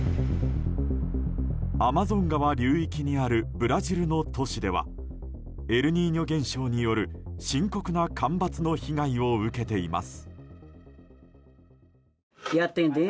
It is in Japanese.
アマゾン川流域にあるブラジルの都市ではエルニーニョ現象による深刻な干ばつの被害を受けています。